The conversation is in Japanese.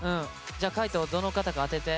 じゃあ海人どの方か当てて。